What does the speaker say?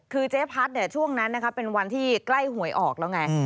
คือเจ๊พัดช่วงนั้นเป็นวันที่ใกล้หวยออกแล้วไง